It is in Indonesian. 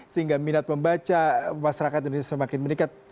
sehingga minat membaca masyarakat indonesia semakin meningkat